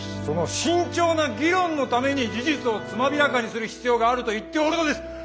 その慎重な議論のために事実をつまびらかにする必要があると言っておるのです！